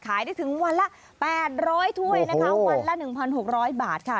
ขายได้ถึงวันละ๘๐๐ถ้วยนะคะวันละ๑๖๐๐บาทค่ะ